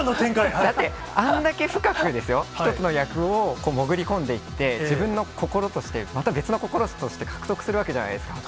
だって、あんだけ、１つの役を潜り込んでいって、自分の心としてまた別のこととして獲得するわけじゃないですか。